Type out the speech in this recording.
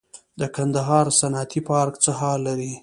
د کندهار صنعتي پارک څه حال لري؟